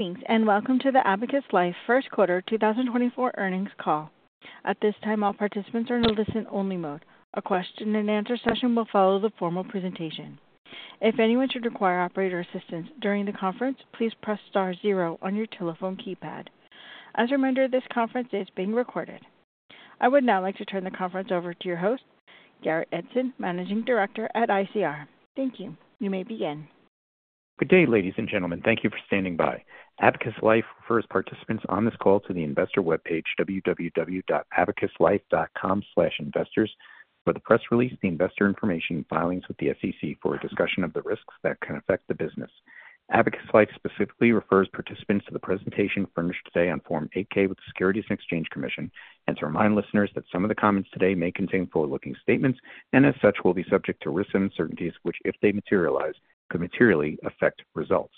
Thanks, and welcome to the Abacus Life first quarter 2024 earnings call. At this time, all participants are in listen-only mode. A question and answer session will follow the formal presentation. If anyone should require operator assistance during the conference, please press star zero on your telephone keypad. As a reminder, this conference is being recorded. I would now like to turn the conference over to your host, Garrett Edson, Managing Director at ICR. Thank you. You may begin. Good day, ladies and gentlemen. Thank you for standing by. Abacus Life refers participants on this call to the investor webpage, www.abacuslife.com/investors, for the press release, the investor information filings with the SEC for a discussion of the risks that can affect the business. Abacus Life specifically refers participants to the presentation furnished today on Form 8-K with the Securities and Exchange Commission, and to remind listeners that some of the comments today may contain forward-looking statements and, as such, will be subject to risks and uncertainties, which, if they materialize, could materially affect results.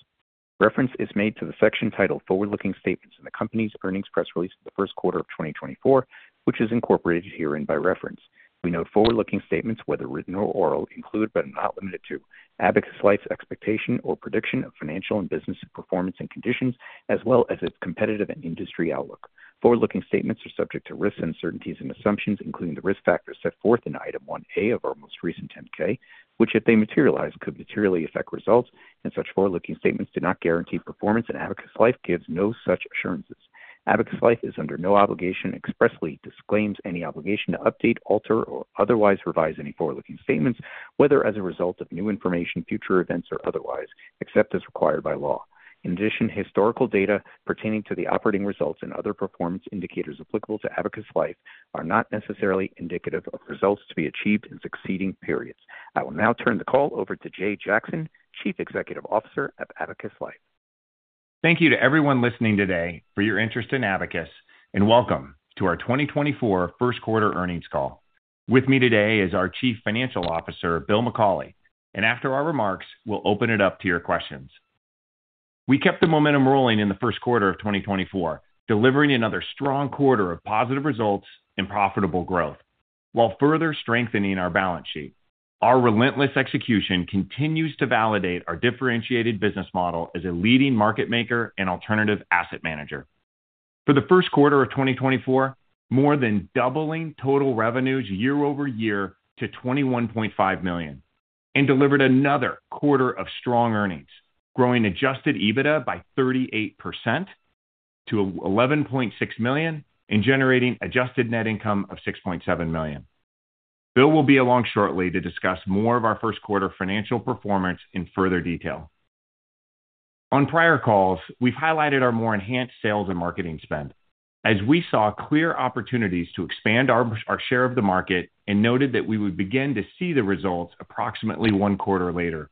Reference is made to the section titled Forward-Looking Statements in the company's earnings press release for the first quarter of 2024, which is incorporated herein by reference. We note forward-looking statements, whether written or oral, include, but are not limited to, Abacus Life's expectation or prediction of financial and business performance and conditions, as well as its competitive and industry outlook. Forward-looking statements are subject to risks, uncertainties and assumptions, including the risk factors set forth in Item 1A of our most recent 10-K, which, if they materialize, could materially affect results, and such forward-looking statements do not guarantee performance, and Abacus Life gives no such assurances. Abacus Life is under no obligation and expressly disclaims any obligation to update, alter or otherwise revise any forward-looking statements, whether as a result of new information, future events or otherwise, except as required by law. In addition, historical data pertaining to the operating results and other performance indicators applicable to Abacus Life are not necessarily indicative of results to be achieved in succeeding periods. I will now turn the call over to Jay Jackson, Chief Executive Officer of Abacus Life. Thank you to everyone listening today for your interest in Abacus, and welcome to our 2024 first quarter earnings call. With me today is our Chief Financial Officer, Bill McCauley, and after our remarks, we'll open it up to your questions. We kept the momentum rolling in the first quarter of 2024, delivering another strong quarter of positive results and profitable growth, while further strengthening our balance sheet. Our relentless execution continues to validate our differentiated business model as a leading market maker and alternative asset manager. For the first quarter of 2024, more than doubling total revenues year-over-year to $21.5 million, and delivered another quarter of strong earnings, growing Adjusted EBITDA by 38% to $11.6 million and generating adjusted net income of $6.7 million. Bill will be along shortly to discuss more of our first quarter financial performance in further detail. On prior calls, we've highlighted our more enhanced sales and marketing spend as we saw clear opportunities to expand our share of the market and noted that we would begin to see the results approximately one quarter later.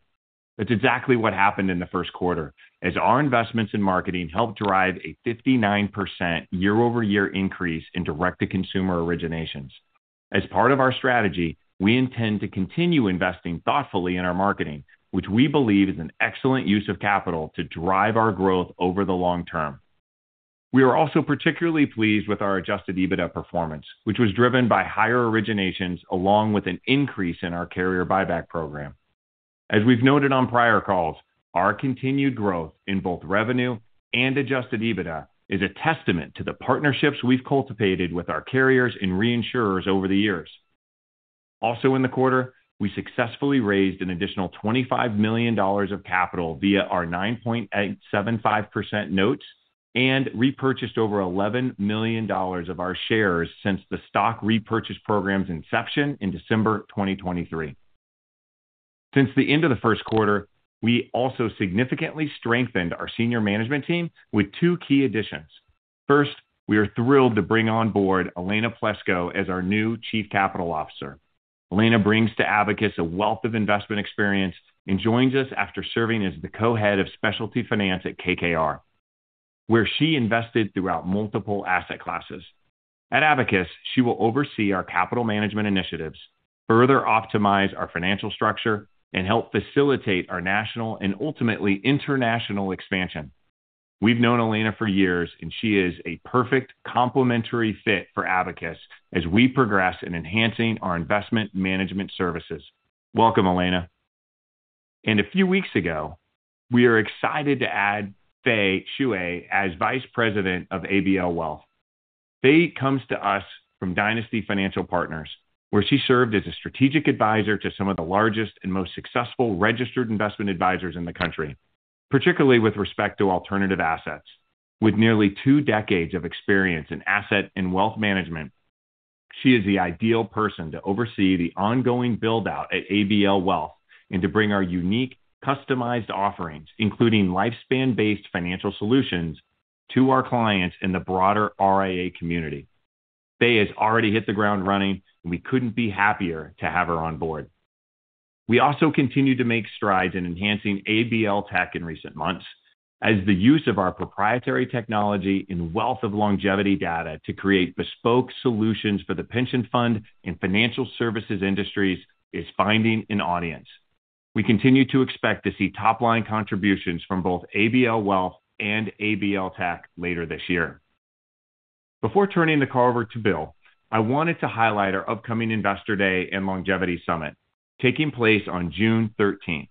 That's exactly what happened in the first quarter, as our investments in marketing helped drive a 59% year-over-year increase in direct-to-consumer originations. As part of our strategy, we intend to continue investing thoughtfully in our marketing, which we believe is an excellent use of capital to drive our growth over the long term. We are also particularly pleased with our Adjusted EBITDA performance, which was driven by higher originations along with an increase in our Carrier Buyback program. As we've noted on prior calls, our continued growth in both revenue and Adjusted EBITDA is a testament to the partnerships we've cultivated with our carriers and reinsurers over the years. Also in the quarter, we successfully raised an additional $25 million of capital via our 9.875% notes and repurchased over $11 million of our shares since the stock repurchase program's inception in December 2023. Since the end of the first quarter, we also significantly strengthened our senior management team with two key additions. First, we are thrilled to bring on board Elena Plesco as our new Chief Capital Officer. Elena brings to Abacus a wealth of investment experience and joins us after serving as the co-head of Specialty Finance at KKR, where she invested throughout multiple asset classes. At Abacus, she will oversee our capital management initiatives, further optimize our financial structure, and help facilitate our national and ultimately international expansion. We've known Elena for years, and she is a perfect complementary fit for Abacus as we progress in enhancing our investment management services. Welcome, Elena. A few weeks ago, we are excited to add Fay Xue as Vice President of ABL Wealth. Fay comes to us from Dynasty Financial Partners, where she served as a strategic advisor to some of the largest and most successful registered investment advisors in the country, particularly with respect to alternative assets. With nearly two decades of experience in asset and wealth management, she is the ideal person to oversee the ongoing build-out at ABL Wealth and to bring our unique, customized offerings, including lifespan-based financial solutions, to our clients in the broader RIA community. Fay has already hit the ground running, and we couldn't be happier to have her on board. We also continue to make strides in enhancing ABL Tech in recent months, as the use of our proprietary technology and wealth of longevity data to create bespoke solutions for the pension fund and financial services industries is finding an audience. We continue to expect to see top-line contributions from both ABL Wealth and ABL Tech later this year. Before turning the call over to Bill, I wanted to highlight our upcoming Investor Day and Longevity Summit, taking place on June thirteenth.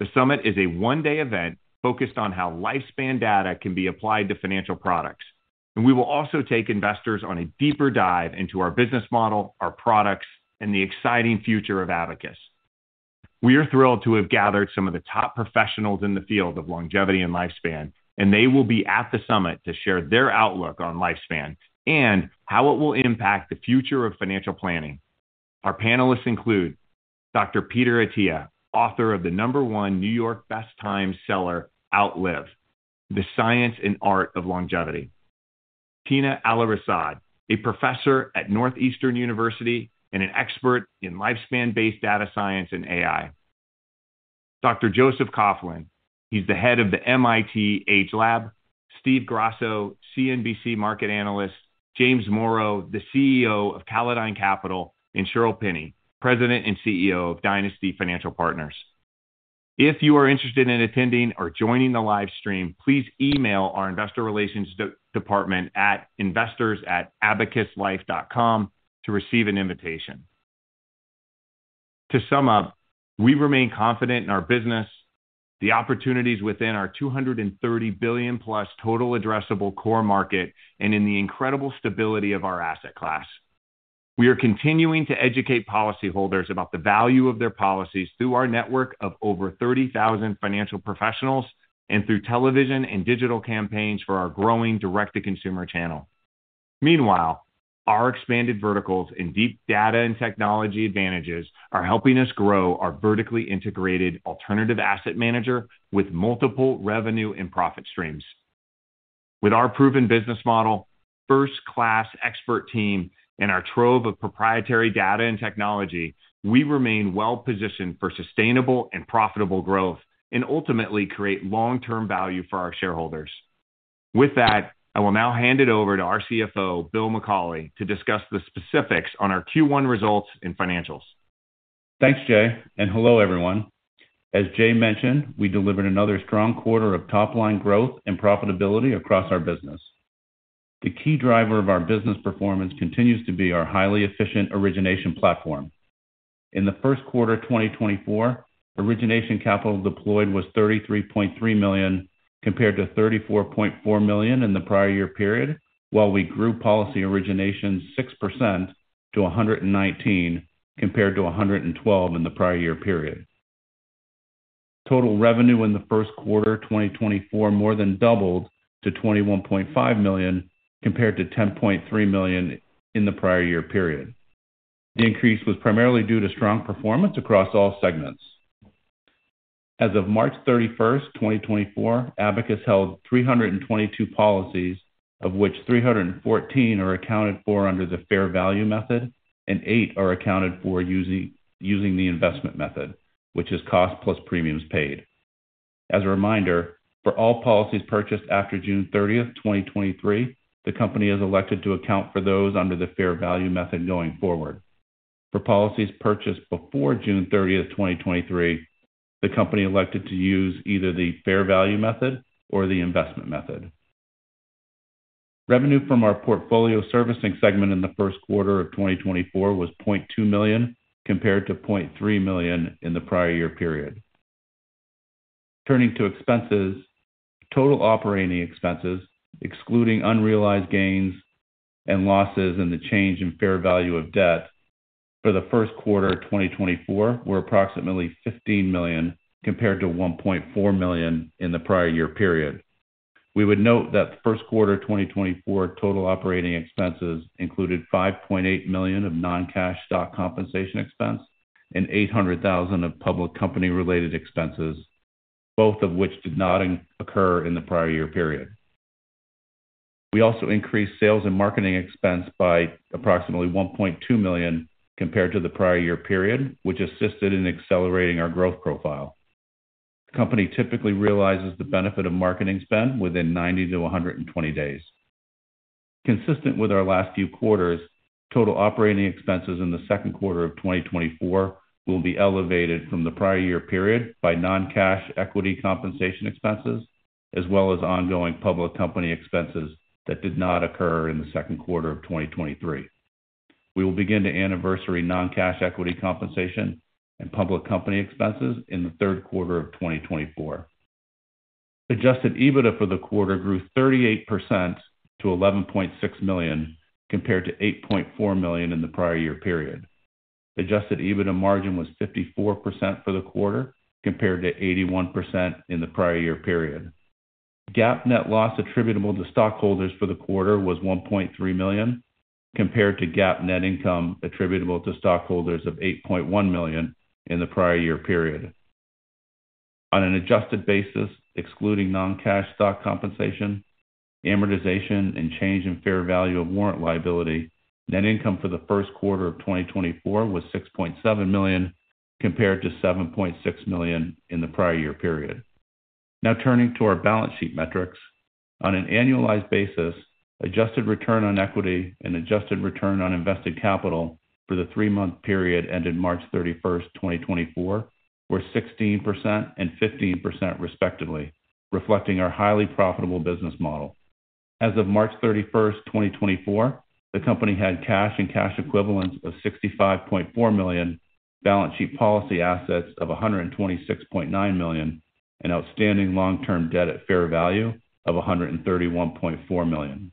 The summit is a one-day event focused on how lifespan data can be applied to financial products, and we will also take investors on a deeper dive into our business model, our products, and the exciting future of Abacus. We are thrilled to have gathered some of the top professionals in the field of longevity and lifespan, and they will be at the summit to share their outlook on lifespan and how it will impact the future of financial planning. Our panelists include Dr. Peter Attia, author of the number one New York Times best seller, Outlive: The Science and Art of Longevity. Tina Eliassi-Rad, a professor at Northeastern University and an expert in lifespan-based data science and AI. Dr. Joseph Coughlin, he's the head of the MIT AgeLab, Steve Grasso, CNBC market analyst, James Morrow, the CEO of Callodine Capital, and Shirl Penney, President and CEO of Dynasty Financial Partners. If you are interested in attending or joining the live stream, please email our investor relations department at investors@abacuslife.com to receive an invitation. To sum up, we remain confident in our business, the opportunities within our $230 billion+ total addressable core market, and in the incredible stability of our asset class. We are continuing to educate policyholders about the value of their policies through our network of over 30,000 financial professionals and through television and digital campaigns for our growing direct-to-consumer channel. Meanwhile, our expanded verticals in deep data and technology advantages are helping us grow our vertically integrated alternative asset manager with multiple revenue and profit streams. With our proven business model, first-class expert team, and our trove of proprietary data and technology, we remain well positioned for sustainable and profitable growth and ultimately create long-term value for our shareholders. With that, I will now hand it over to our CFO, Bill McCauley, to discuss the specifics on our Q1 results and financials. Thanks, Jay, and hello, everyone. As Jay mentioned, we delivered another strong quarter of top-line growth and profitability across our business. The key driver of our business performance continues to be our highly efficient origination platform. In the first quarter of 2024, origination capital deployed was $33.3 million, compared to $34.4 million in the prior year period, while we grew policy origination 6% to 119, compared to 112 in the prior year period. Total revenue in the first quarter of 2024 more than doubled to $21.5 million, compared to $10.3 million in the prior year period. The increase was primarily due to strong performance across all segments. As of March 31, 2024, Abacus held 322 policies, of which 314 are accounted for under the fair value method, and eight are accounted for using the investment method, which is cost plus premiums paid. As a reminder, for all policies purchased after June 30, 2023, the company has elected to account for those under the fair value method going forward. For policies purchased before June 30, 2023, the company elected to use either the fair value method or the investment method. Revenue from our portfolio servicing segment in the first quarter of 2024 was $0.2 million, compared to $0.3 million in the prior year period. Turning to expenses, total operating expenses, excluding unrealized gains and losses, and the change in fair value of debt for the first quarter of 2024, were approximately $15 million, compared to $1.4 million in the prior year period. We would note that first quarter of 2024 total operating expenses included $5.8 million of non-cash stock compensation expense and $800,000 of public company-related expenses, both of which did not occur in the prior year period. We also increased sales and marketing expense by approximately $1.2 million compared to the prior year period, which assisted in accelerating our growth profile. The company typically realizes the benefit of marketing spend within 90-120 days. Consistent with our last few quarters, total operating expenses in the second quarter of 2024 will be elevated from the prior year period by non-cash equity compensation expenses, as well as ongoing public company expenses that did not occur in the second quarter of 2023. We will begin to anniversary non-cash equity compensation and public company expenses in the third quarter of 2024. Adjusted EBITDA for the quarter grew 38% to $11.6 million, compared to $8.4 million in the prior year period. Adjusted EBITDA margin was 54% for the quarter, compared to 81% in the prior year period. GAAP net loss attributable to stockholders for the quarter was $1.3 million, compared to GAAP net income attributable to stockholders of $8.1 million in the prior year period. On an adjusted basis, excluding non-cash stock compensation, amortization, and change in fair value of warrant liability, net income for the first quarter of 2024 was $6.7 million, compared to $7.6 million in the prior year period. Now turning to our balance sheet metrics. On an annualized basis, adjusted return on equity and adjusted return on invested capital for the three-month period ended March 31, 2024, were 16% and 15% respectively, reflecting our highly profitable business model....As of March 31, 2024, the company had cash and cash equivalents of $65.4 million, balance sheet policy assets of $126.9 million, and outstanding long-term debt at fair value of $131.4 million.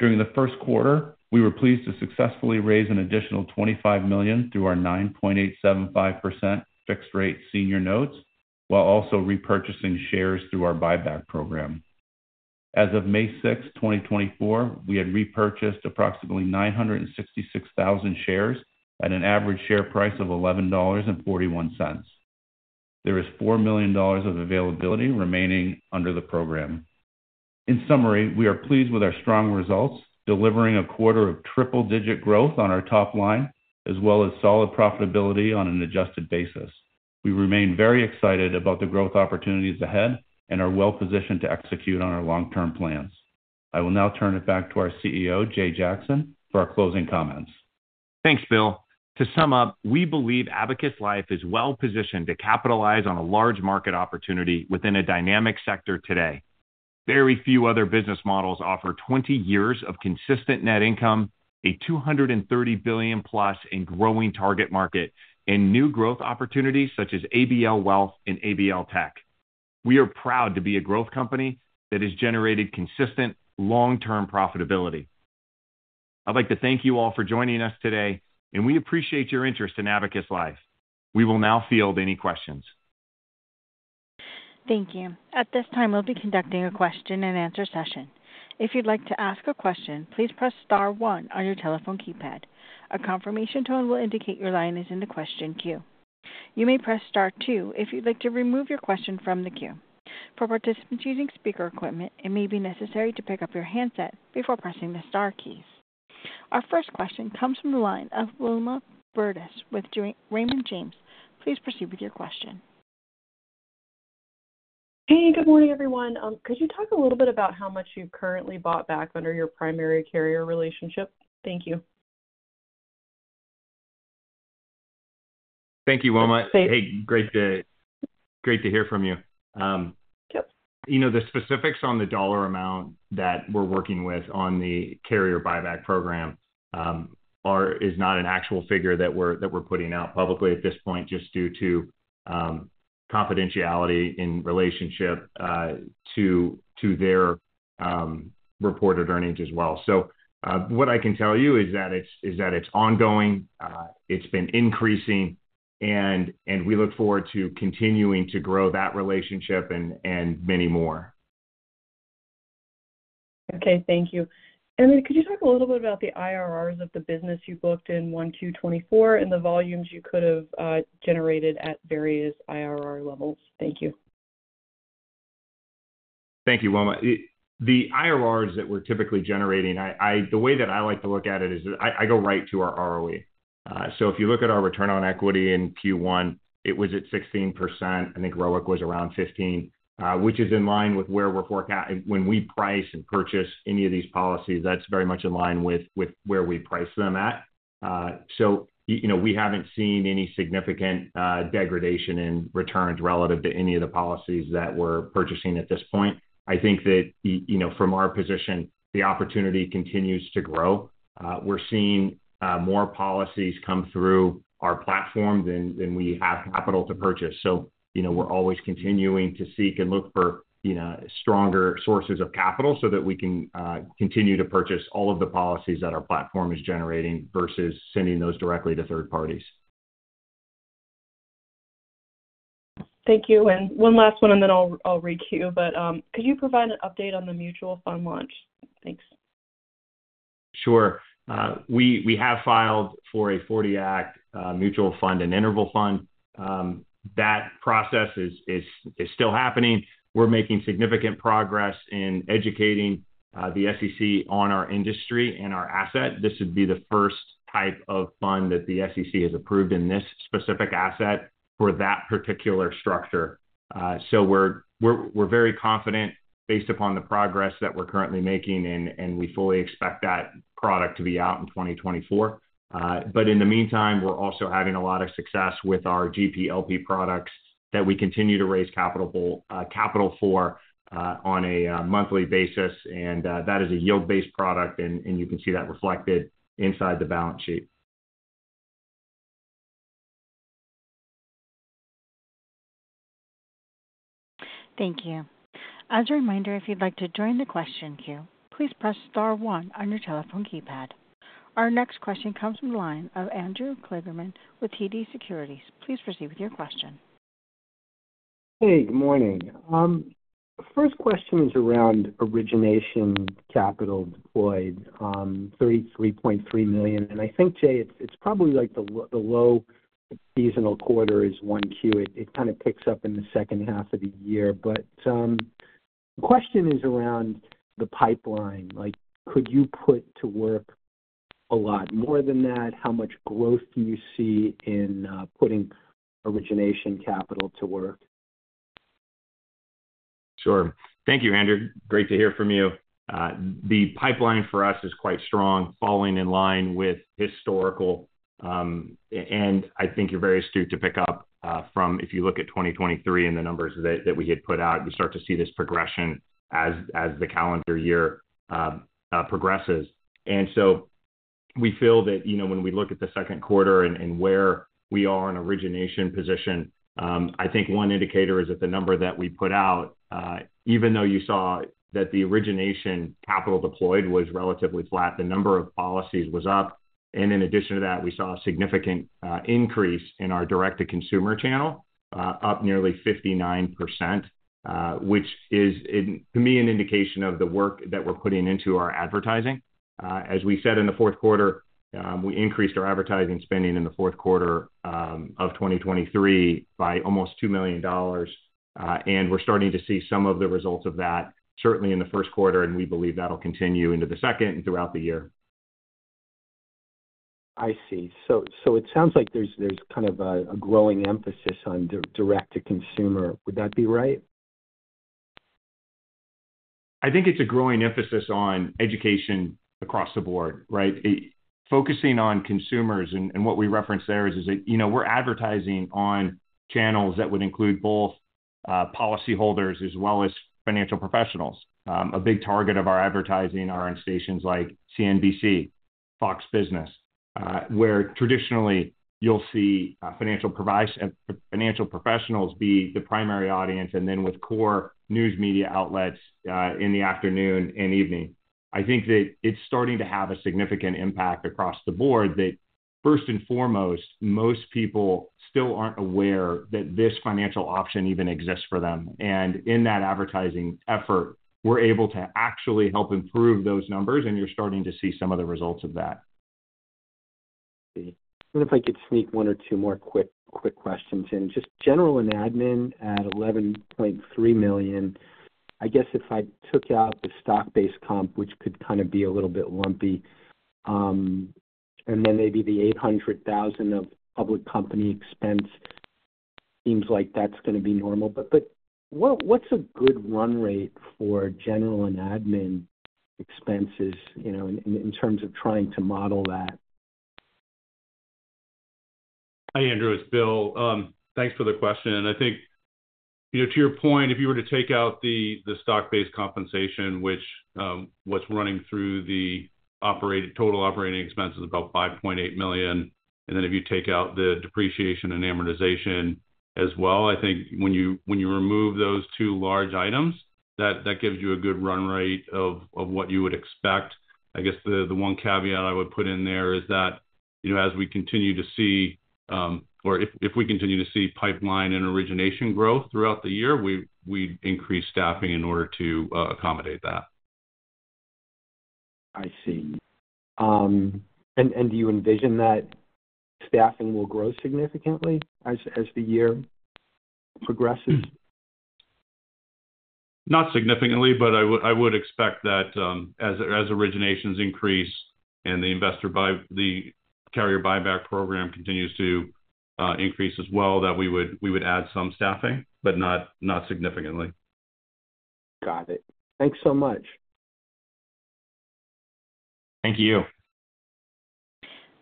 During the first quarter, we were pleased to successfully raise an additional $25 million through our 9.875% fixed rate senior notes, while also repurchasing shares through our buyback program. As of May 6, 2024, we had repurchased approximately 966,000 shares at an average share price of $11.41. There is $4 million of availability remaining under the program. In summary, we are pleased with our strong results, delivering a quarter of triple-digit growth on our top line, as well as solid profitability on an adjusted basis. We remain very excited about the growth opportunities ahead and are well positioned to execute on our long-term plans. I will now turn it back to our CEO, Jay Jackson, for our closing comments. Thanks, Bill. To sum up, we believe Abacus Life is well positioned to capitalize on a large market opportunity within a dynamic sector today. Very few other business models offer 20 years of consistent net income, a $230 billion-plus and growing target market, and new growth opportunities such as ABL Wealth and ABL Tech. We are proud to be a growth company that has generated consistent, long-term profitability. I'd like to thank you all for joining us today, and we appreciate your interest in Abacus Life. We will now field any questions. Thank you. At this time, we'll be conducting a question-and-answer session. If you'd like to ask a question, please press star one on your telephone keypad. A confirmation tone will indicate your line is in the question queue. You may press star two if you'd like to remove your question from the queue. For participants using speaker equipment, it may be necessary to pick up your handset before pressing the star keys. Our first question comes from the line of Wilma Burdis with Raymond James. Please proceed with your question. Hey, good morning, everyone. Could you talk a little bit about how much you've currently bought back under your primary carrier relationship? Thank you. Thank you, Wilma. Hey, great to hear from you. Yep. You know, the specifics on the dollar amount that we're working with on the Carrier Buyback Program is not an actual figure that we're putting out publicly at this point, just due to confidentiality in relationship to their reported earnings as well. So, what I can tell you is that it's ongoing, it's been increasing, and we look forward to continuing to grow that relationship and many more. Okay, thank you. Then could you talk a little bit about the IRRs of the business you booked in Q1 2024 and the volumes you could have generated at various IRR levels? Thank you. Thank you, Wilma. The IRRs that we're typically generating, the way that I like to look at it is I go right to our ROE. So if you look at our return on equity in Q1, it was at 16%. I think ROIC was around 15, which is in line with where we're forecast. When we price and purchase any of these policies, that's very much in line with where we price them at. So you know, we haven't seen any significant degradation in returns relative to any of the policies that we're purchasing at this point. I think that you know, from our position, the opportunity continues to grow. We're seeing more policies come through our platform than we have capital to purchase. So, you know, we're always continuing to seek and look for, you know, stronger sources of capital so that we can continue to purchase all of the policies that our platform is generating versus sending those directly to third parties. Thank you. And one last one, and then I'll requeue. But, could you provide an update on the mutual fund launch? Thanks. Sure. We have filed for a 40 Act mutual fund and interval fund. That process is still happening. We're making significant progress in educating the SEC on our industry and our asset. This would be the first type of fund that the SEC has approved in this specific asset for that particular structure. So we're very confident, based upon the progress that we're currently making, and we fully expect that product to be out in 2024. But in the meantime, we're also having a lot of success with our GP LP products that we continue to raise capital for on a monthly basis, and that is a yield-based product, and you can see that reflected inside the balance sheet. Thank you. As a reminder, if you'd like to join the question queue, please press star one on your telephone keypad. Our next question comes from the line of Andrew Kligerman with TD Securities. Please proceed with your question. Hey, good morning. First question is around origination capital deployed, $33.3 million. And I think, Jay, it's probably like the low seasonal quarter is Q1. It kind of picks up in the second half of the year. But the question is around the pipeline. Like, could you put to work a lot more than that? How much growth do you see in putting origination capital to work? Sure. Thank you, Andrew. Great to hear from you. The pipeline for us is quite strong, falling in line with historical, and I think you're very astute to pick up from if you look at 2023 and the numbers that, that we had put out, you start to see this progression as, as the calendar year progresses. And so, we feel that, you know, when we look at the second quarter and, and where we are in origination position, I think one indicator is that the number that we put out, even though you saw that the origination capital deployed was relatively flat, the number of policies was up. In addition to that, we saw a significant increase in our direct-to-consumer channel, up nearly 59%, which is, to me, an indication of the work that we're putting into our advertising. As we said in the fourth quarter, we increased our advertising spending in the fourth quarter of 2023 by almost $2 million. And we're starting to see some of the results of that, certainly in the first quarter, and we believe that'll continue into the second and throughout the year. I see. So it sounds like there's kind of a growing emphasis on direct-to-consumer. Would that be right? I think it's a growing emphasis on education across the board, right? It, focusing on consumers and what we reference there is that, you know, we're advertising on channels that would include both policyholders as well as financial professionals. A big target of our advertising are on stations like CNBC, FOX Business, where traditionally you'll see financial professionals be the primary audience, and then with core news media outlets in the afternoon and evening. I think that it's starting to have a significant impact across the board that, first and foremost, most people still aren't aware that this financial option even exists for them. And in that advertising effort, we're able to actually help improve those numbers, and you're starting to see some of the results of that. I see. And if I could sneak one or two more quick questions in. Just general and admin at $11.3 million. I guess if I took out the stock-based comp, which could kind of be a little bit lumpy, and then maybe the $800,000 of public company expense, seems like that's gonna be normal. But what, what's a good run rate for general and admin expenses, you know, in terms of trying to model that? Hi, Andrew, it's Bill. Thanks for the question. I think, you know, to your point, if you were to take out the stock-based compensation, which what's running through the total operating expense is about $5.8 million, and then if you take out the depreciation and amortization as well, I think when you remove those two large items, that gives you a good run rate of what you would expect. I guess the one caveat I would put in there is that, you know, as we continue to see or if we continue to see pipeline and origination growth throughout the year, we increase staffing in order to accommodate that. I see. And do you envision that staffing will grow significantly as the year progresses? Not significantly, but I would expect that as originations increase and the Carrier Buyback Program continues to increase as well, that we would add some staffing, but not significantly. Got it. Thanks so much. Thank you.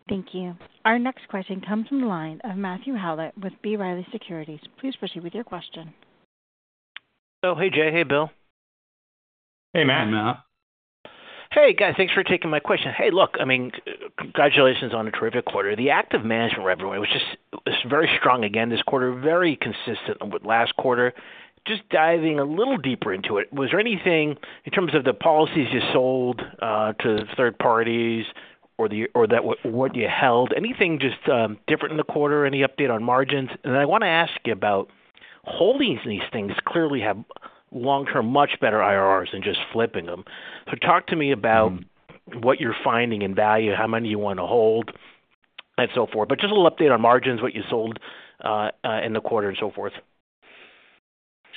Thank you. Our next question comes from the line of Matthew Howlett with B. Riley Securities. Please proceed with your question. Oh, hey, Jay. Hey, Bill. Hey, Matt. Hey, Matt. Hey, guys, thanks for taking my question. Hey, look, I mean, congratulations on a terrific quarter. The active management revenue, which is very strong again this quarter, very consistent with last quarter. Just diving a little deeper into it, was there anything in terms of the policies you sold to third parties or that, what you held, anything just different in the quarter? Any update on margins? And I wanna ask you about holdings. These things clearly have long-term, much better IRRs than just flipping them. So talk to me about what you're finding in value, how many you wanna hold and so forth, but just a little update on margins, what you sold in the quarter and so forth.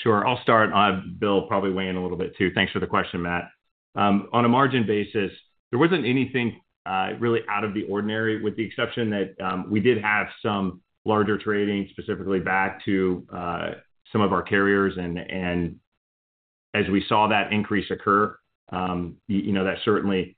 Sure. I'll start, Bill will probably weigh in a little bit, too. Thanks for the question, Matt. On a margin basis, there wasn't anything really out of the ordinary, with the exception that, we did have some larger trading, specifically back to, some of our carriers. And as we saw that increase occur, you know, that certainly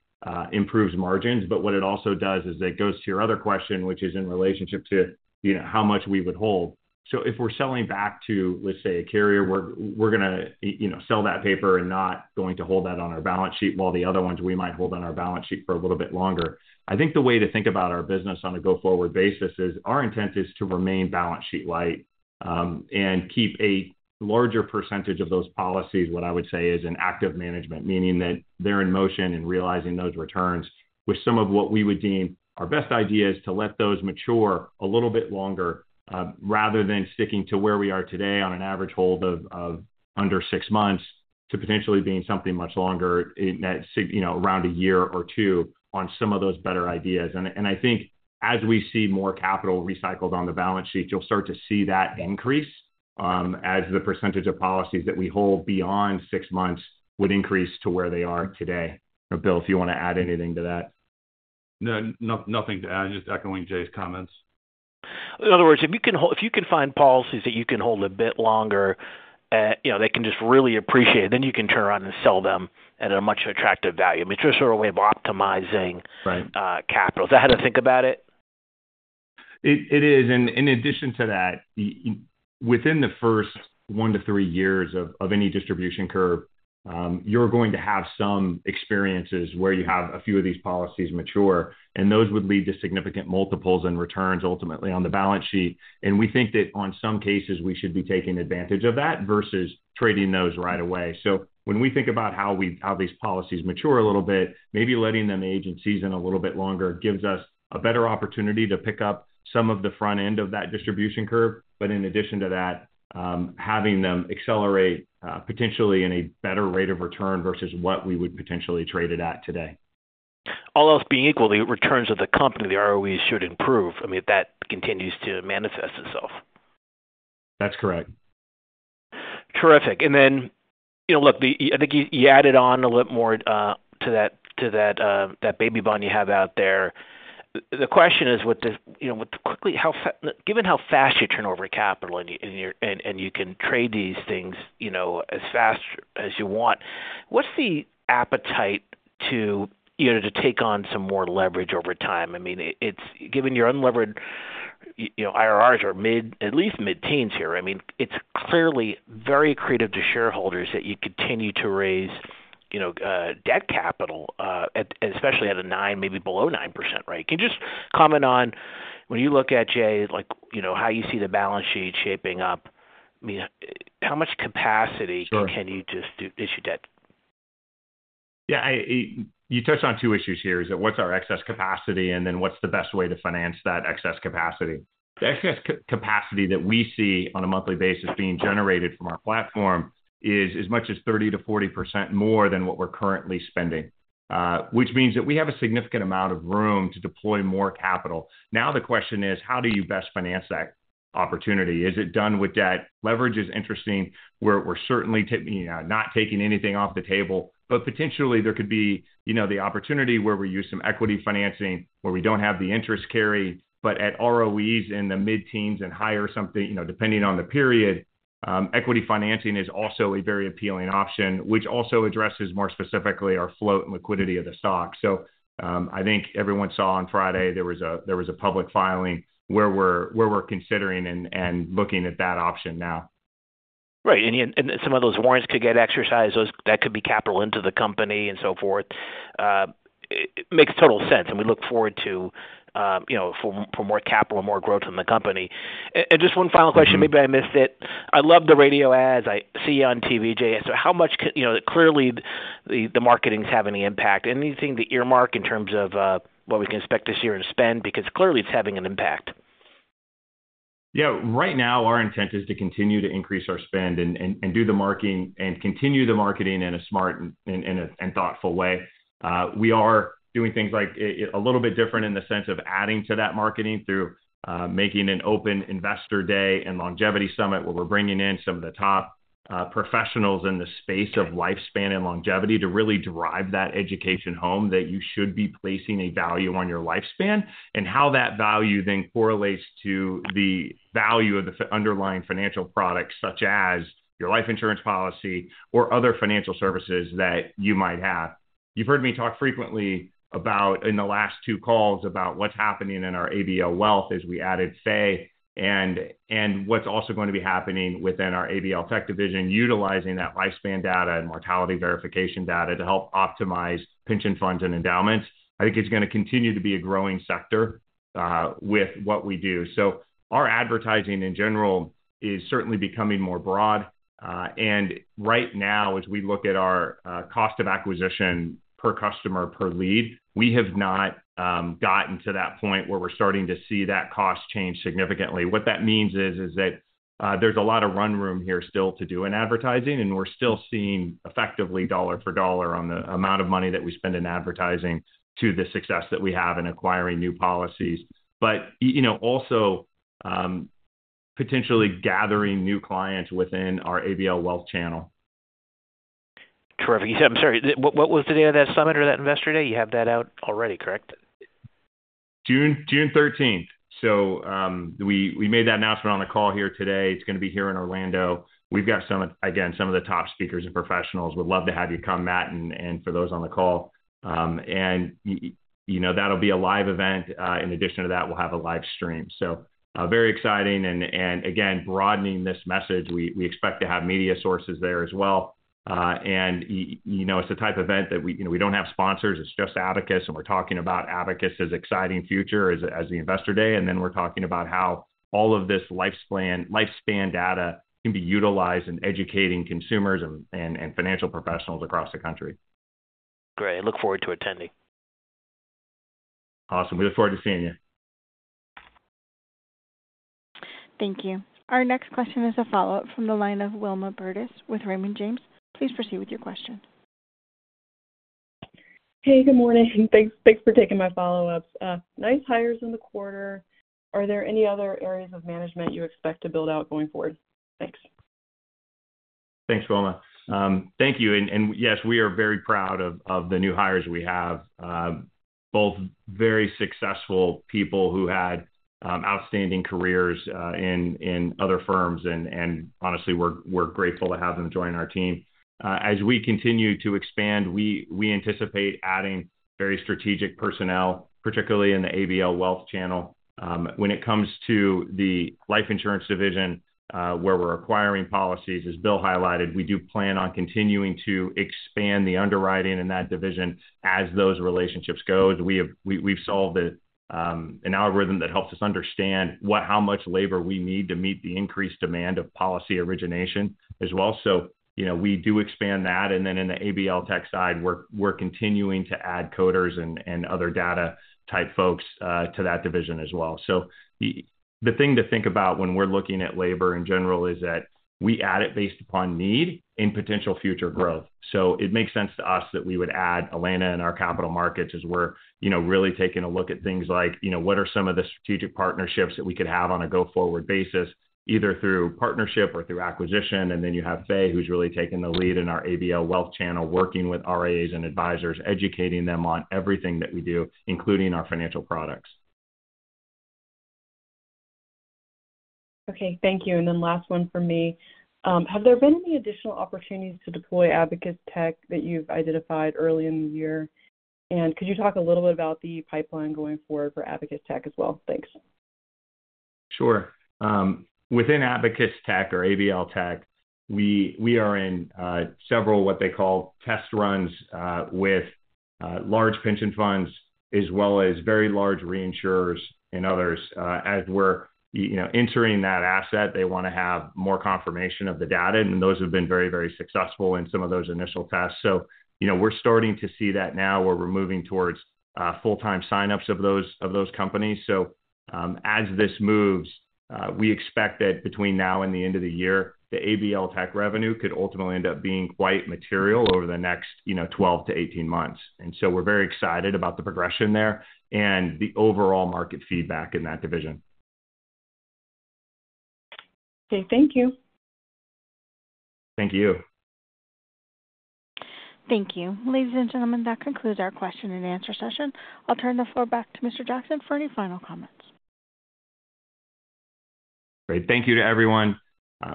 improves margins. But what it also does is it goes to your other question, which is in relationship to, you know, how much we would hold. So if we're selling back to, let's say, a carrier, we're gonna, you know, sell that paper and not going to hold that on our balance sheet, while the other ones we might hold on our balance sheet for a little bit longer. I think the way to think about our business on a go-forward basis is, our intent is to remain balance sheet light, and keep a larger percentage of those policies, what I would say is in active management. Meaning that they're in motion and realizing those returns, with some of what we would deem our best idea is to let those mature a little bit longer, rather than sticking to where we are today on an average hold of under six months, to potentially being something much longer, in that you know, around a year or two on some of those better ideas. And I think as we see more capital recycled on the balance sheet, you'll start to see that increase, as the percentage of policies that we hold beyond six months would increase to where they are today. Bill, do you want to add anything to that? No, nothing to add. Just echoing Jay's comments. In other words, if you can find policies that you can hold a bit longer, you know, they can just really appreciate, then you can turn around and sell them at a much attractive value. I mean, it's just a way of optimizing- Right... capital. Is that how to think about it?... It is. And in addition to that, within the first 1-3 years of any distribution curve, you're going to have some experiences where you have a few of these policies mature, and those would lead to significant multiples and returns ultimately on the balance sheet. And we think that on some cases, we should be taking advantage of that versus trading those right away. So when we think about how these policies mature a little bit, maybe letting them age and season a little bit longer, gives us a better opportunity to pick up some of the front end of that distribution curve. But in addition to that, having them accelerate, potentially in a better rate of return versus what we would potentially trade it at today. All else being equal, the returns of the company, the ROEs, should improve. I mean, if that continues to manifest itself. That's correct. Terrific. And then, you know, look, I think you added on a little more to that baby bond you have out there. The question is, you know, with, quickly, given how fast you turn over capital and you can trade these things as fast as you want, what's the appetite to take on some more leverage over time? I mean, it's given your unlevered, you know, IRRs are mid-teens, at least mid-teens here. I mean, it's clearly very accretive to shareholders that you continue to raise, you know, debt capital at, especially at 9%, maybe below 9%, right? Can you just comment on, when you look at, Jay, like, you know, how you see the balance sheet shaping up? I mean, how much capacity- Sure. Can you just do issue debt? Yeah, I, you touched on two issues here, is that what's our excess capacity, and then what's the best way to finance that excess capacity? The excess capacity that we see on a monthly basis being generated from our platform is as much as 30%-40% more than what we're currently spending, which means that we have a significant amount of room to deploy more capital. Now, the question is: how do you best finance that opportunity? Is it done with debt? Leverage is interesting. We're, we're certainly not taking anything off the table, but potentially there could be, you know, the opportunity where we use some equity financing, where we don't have the interest carry. But at ROEs in the mid-teens and higher something, you know, depending on the period, equity financing is also a very appealing option, which also addresses more specifically our float and liquidity of the stock. So, I think everyone saw on Friday, there was a public filing where we're considering and looking at that option now. Right. And some of those warrants could get exercised. Those, that could be capital into the company and so forth. It makes total sense, and we look forward to, you know, for more capital and more growth in the company. And just one final question, maybe I missed it. I love the radio ads. I see you on TV, Jay. So how much—you know, clearly, the marketing is having an impact. Anything to earmark in terms of what we can expect this year to spend? Because clearly it's having an impact. Yeah. Right now, our intent is to continue to increase our spend and do the marketing and continue the marketing in a smart and thoughtful way. We are doing things like a little bit different in the sense of adding to that marketing through making an open Investor Day and Longevity Summit, where we're bringing in some of the top professionals in the space of lifespan and longevity, to really drive that education home, that you should be placing a value on your lifespan, and how that value then correlates to the value of the underlying financial products, such as your life insurance policy or other financial services that you might have. You've heard me talk frequently about, in the last two calls, about what's happening in our ABL Wealth as we added Fay, and what's also going to be happening within our ABL Tech division, utilizing that lifespan data and mortality verification data to help optimize pension funds and endowments. I think it's gonna continue to be a growing sector, with what we do. So our advertising in general is certainly becoming more broad. And right now, as we look at our, cost of acquisition per customer, per lead, we have not, gotten to that point where we're starting to see that cost change significantly. What that means is that there's a lot of run room here still to do in advertising, and we're still seeing effectively, dollar for dollar on the amount of money that we spend in advertising, to the success that we have in acquiring new policies. But you know, also potentially gathering new clients within our ABL Wealth channel. Terrific. I'm sorry, what, what was the day of that summit or that investor day? You have that out already, correct? June thirteenth. So, we made that announcement on the call here today. It's gonna be here in Orlando. We've got some of, again, some of the top speakers and professionals. We'd love to have you come, Matt, and for those on the call. And, you know, that'll be a live event. In addition to that, we'll have a live stream. So, very exciting and, again, broadening this message, we expect to have media sources there as well. And, you know, it's the type of event that we, you know, we don't have sponsors. It's just Abacus, and we're talking about Abacus's exciting future as the investor day. And then we're talking about how all of this lifespan, lifespan data can be utilized in educating consumers and financial professionals across the country. Great, I look forward to attending. Awesome. We look forward to seeing you. Thank you. Our next question is a follow-up from the line of Wilma Burdis with Raymond James. Please proceed with your question. Hey, good morning. Thanks, thanks for taking my follow-ups. Nice hires in the quarter. Are there any other areas of management you expect to build out going forward? Thanks. Thanks, Wilma. Thank you. And yes, we are very proud of the new hires we have. Both very successful people who had outstanding careers in other firms, and honestly, we're grateful to have them join our team. As we continue to expand, we anticipate adding very strategic personnel, particularly in the ABL Wealth channel. When it comes to the life insurance division, where we're acquiring policies, as Bill highlighted, we do plan on continuing to expand the underwriting in that division as those relationships go. We've solved it, an algorithm that helps us understand how much labor we need to meet the increased demand of policy origination as well. So, you know, we do expand that, and then in the ABL Tech side, we're continuing to add coders and other data-type folks to that division as well. So the thing to think about when we're looking at labor in general is that we add it based upon need and potential future growth. So it makes sense to us that we would add Elena in our capital markets as we're, you know, really taking a look at things like, you know, what are some of the strategic partnerships that we could have on a go-forward basis, either through partnership or through acquisition? And then you have Fay, who's really taking the lead in our ABL Wealth channel, working with RIAs and advisors, educating them on everything that we do, including our financial products. Okay, thank you. And then last one from me. Have there been any additional opportunities to deploy Abacus Tech that you've identified early in the year? And could you talk a little bit about the pipeline going forward for Abacus Tech as well? Thanks. Sure. Within Abacus Tech or ABL Tech, we, we are in several, what they call, test runs with large pension funds as well as very large reinsurers and others. As we're, you know, entering that asset, they wanna have more confirmation of the data, and those have been very, very successful in some of those initial tests. So, you know, we're starting to see that now, where we're moving towards full-time sign-ups of those, of those companies. So, as this moves, we expect that between now and the end of the year, the ABL Tech revenue could ultimately end up being quite material over the next, you know, 12-18 months. And so we're very excited about the progression there and the overall market feedback in that division. Okay, thank you. Thank you. Thank you. Ladies and gentlemen, that concludes our question and answer session. I'll turn the floor back to Mr. Jackson for any final comments. Great. Thank you to everyone.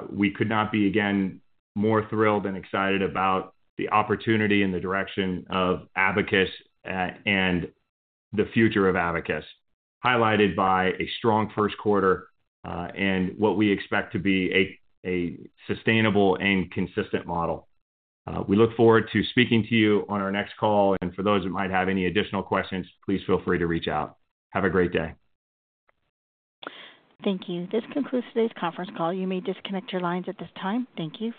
We could not be, again, more thrilled and excited about the opportunity and the direction of Abacus, and the future of Abacus, highlighted by a strong first quarter, and what we expect to be a sustainable and consistent model. We look forward to speaking to you on our next call, and for those who might have any additional questions, please feel free to reach out. Have a great day. Thank you. This concludes today's conference call. You may disconnect your lines at this time. Thank you for your participation.